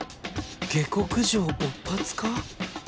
下克上勃発か？